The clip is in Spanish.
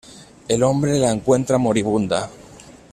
El hombre la encuentra moribunda.